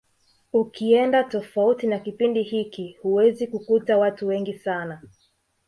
Ukienda tofauti na kipindi hiki huwezi kukuta watu wengi sana